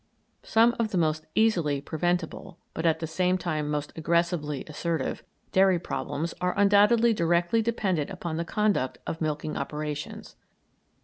Some of the most easily preventable, but at the same time most aggressively assertive, dairy troubles are undoubtedly directly dependent upon the conduct of milking operations.